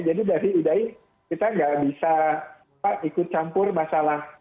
jadi idai kita nggak bisa ikut campur masalah